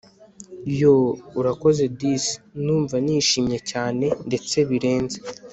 yoooooh! urakoze disi ndumva nishimye cyane ndetse birenze